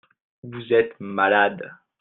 Vous êtes malades.